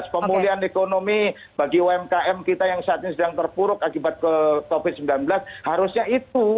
pemulihan ekonomi bagi umkm kita yang saat ini sedang terpuruk akibat covid sembilan belas harusnya itu